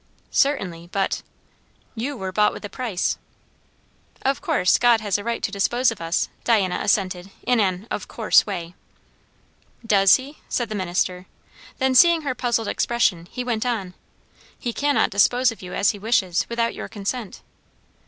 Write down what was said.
"Certainly; but" "'You were bought with a price.'" "Of course, God has a right to dispose of us," Diana assented in an "of course" way. "Does he?" said the minister. Then, seeing her puzzled expression, he went on "He cannot dispose of you as he wishes, without your consent."